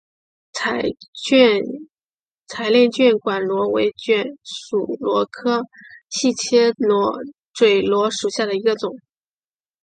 彩炼卷管螺为卷管螺科细切嘴螺属下的一个种。